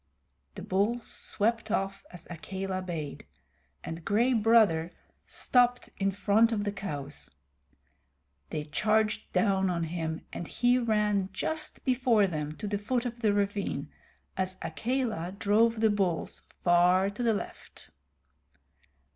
The bulls swept off as Akela bayed, and Gray Brother stopped in front of the cows. They charged down on him, and he ran just before them to the foot of the ravine, as Akela drove the bulls far to the left.